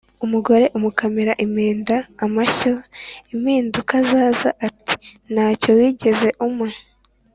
Umugore umukamira impenda (amashyo) impinduka zaza ati ntacyo wigeze umpa.